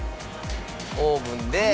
オーブンで。